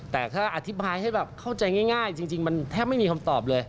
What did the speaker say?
แต่ถ้าอธิบายให้แบบเข้าใจง่ายจริงมันแทบไม่มีคำตอบเลย